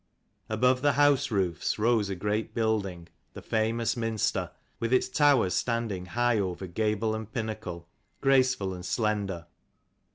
Above the house roofs rose a great building, the famous Minster: with its towers standing high over gable and pinnacle, graceful and slender.